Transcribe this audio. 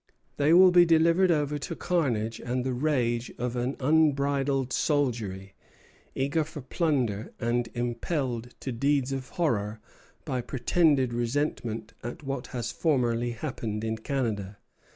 They will be delivered over to carnage and the rage of an unbridled soldiery, eager for plunder, and impelled to deeds of horror by pretended resentment at what has formerly happened in Canada.